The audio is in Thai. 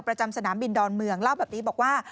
สนามบินดอนเมืองเล่าแบบนี้บอกว่า